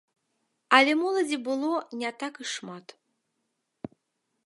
Але моладзі было не так і шмат.